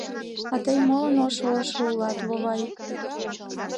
— А тый молан ошо-ошо улат, вовай?